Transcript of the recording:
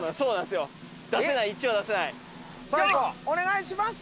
４お願いします！